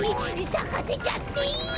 さかせちゃっていい！？